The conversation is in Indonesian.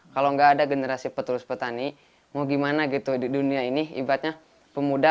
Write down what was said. kalau gak ada generasi petulus petani mau gimana gitu di dunia ini ibadahnya pemuda